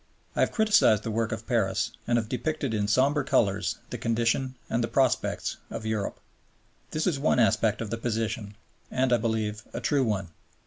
I have criticized the work of Paris, and have depicted in somber colors the condition and the prospects of Europe. This is one aspect of the position and, I believe, a true one.